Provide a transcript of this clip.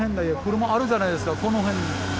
車あるじゃないですか、この辺。